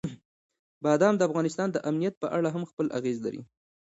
بادام د افغانستان د امنیت په اړه هم خپل اغېز لري.